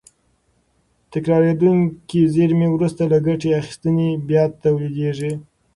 تکرارېدونکې زېرمې وروسته له ګټې اخیستنې بیا تولیدېږي.